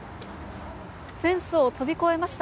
フェンスを飛び越えました。